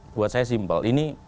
buat saya simpel